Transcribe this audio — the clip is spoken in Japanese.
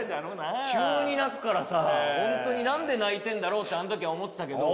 急に泣くからさホントに何で泣いてんだろうってあのときは思ってたけど